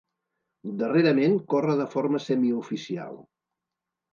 Darrerament corre de forma semioficial.